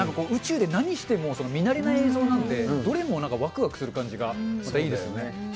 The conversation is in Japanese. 宇宙で何しても、見慣れない映像なので、どれもなんかわくわくする感じがいいですね。